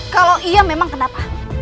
kalau iya memang kenapa